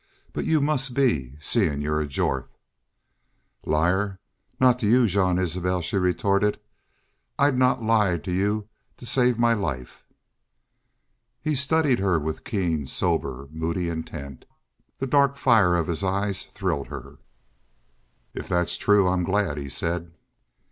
But you must be seein' you're a Jorth. "Liar! Not to y'u, Jean Isbel," she retorted. "I'd not lie to y'u to save my life." He studied her with keen, sober, moody intent. The dark fire of his eyes thrilled her. "If that's true, I'm glad," he said.